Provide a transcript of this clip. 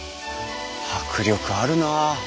迫力あるな！